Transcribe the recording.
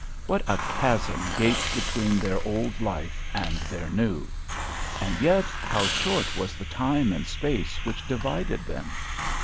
What a chasm gaped between their old life and their new! And yet how short was the time and space which divided them!